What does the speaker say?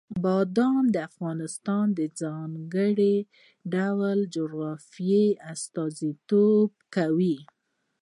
بادام د افغانستان د ځانګړي ډول جغرافیې استازیتوب کوي.